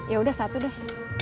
yaudah satu deh